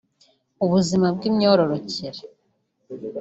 ubuzima bw’imyororokere